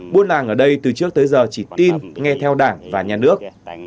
buôn làng ở đây từ trước tới giờ chỉ tin nghe theo đảng và nhà nước